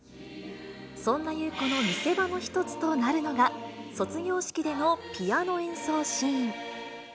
そんな優子の見せ場の一つとなるのが、卒業式でのピアノ演奏シーン。